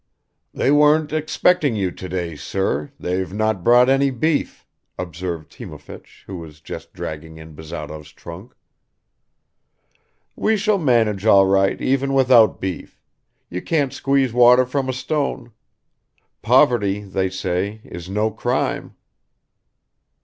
"They weren't expecting you today, sir, they've not brought any beef," observed Timofeich, who was just dragging in Bazarov's trunk. "We shall manage all right even without beef; you can't squeeze water from a stone. Poverty, they say, is no crime."